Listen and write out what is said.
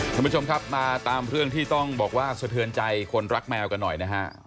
ท่านผู้ชมครับมาตามเรื่องที่ต้องบอกว่าสะเทือนใจคนรักแมวกันหน่อยนะฮะ